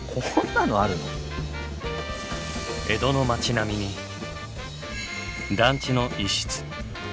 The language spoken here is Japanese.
江戸の町並みに団地の一室。